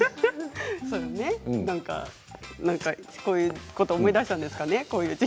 こういうことを思い出したんでしょうかね。